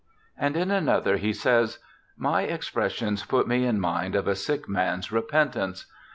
And in another he says, ' My expressions put me in mind of a sick man's repentance.